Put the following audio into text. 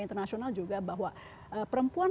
internasional juga bahwa perempuan